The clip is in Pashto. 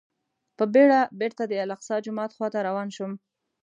په بېړه بېرته د الاقصی جومات خواته روان شوم.